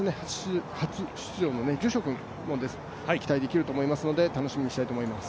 初出場の住所君期待できると思いますので楽しみにしています。